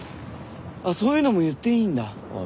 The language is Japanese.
あっそういうのも言っていいんだ？